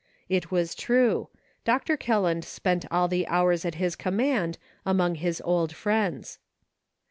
It was true; Dr. Kelland spent all the hours at his command among his old friends.